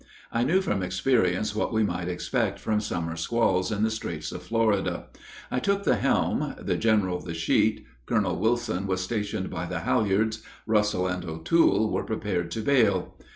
I knew from experience what we might expect from summer squalls in the straits of Florida. I took the helm, the general the sheet, Colonel Wilson was stationed by the halyards, Russell and O'Toole were prepared to bail.